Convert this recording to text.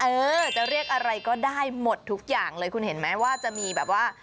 เออจะเรียกอะไรก็ได้หมดทุกอย่างเลยคุณเห็นไหมว่าจะมีแบบว่า